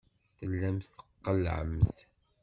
Tellamt tqellɛemt.